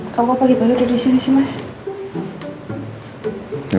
kamu pagi baru disini simes